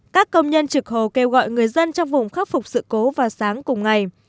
các công nhân trực hồ kêu gọi người dân trong vùng khắc phục sự cố vào sáng cùng ngày